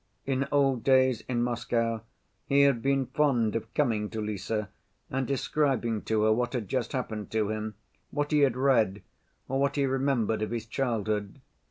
In old days in Moscow he had been fond of coming to Lise and describing to her what had just happened to him, what he had read, or what he remembered of his childhood.